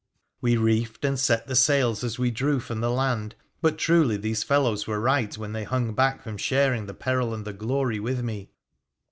We reefed and set the sails as we drew from the land, but truly those fellows were right when they hung back from sharing the peril and the glory with me